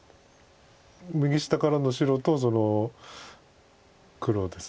右下からの白と黒です。